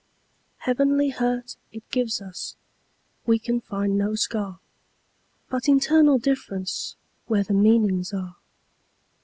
Heavenly hurt it gives us; We can find no scar, But internal differenceWhere the meanings are.